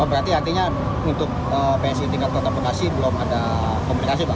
berarti artinya untuk psi tingkat kota bekasi belum ada komunikasi pak